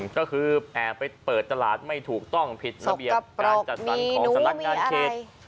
ก็คือแอบไปเปิดตลาดไม่ถูกต้องผิดระเบียบการจัดสรรของสำนักงานเขต